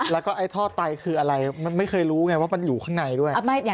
แล้วก็ไอ้ท่อไตคืออะไรมันไม่เคยรู้ไงว่ามันอยู่ข้างในด้วย